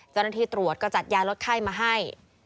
เจ้าหน้าที่ตรวจก็จัดยาลดไข้มาให้